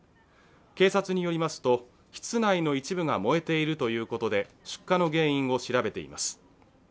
警察によりますと室内の一部が燃えているということで出火の原因を調べています。